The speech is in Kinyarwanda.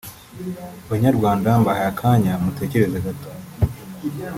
Banyarwanda mbahaye akanya mutekereze gato